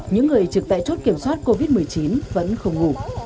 những người trực tại chốt kiểm soát covid một mươi chín vẫn không ngủ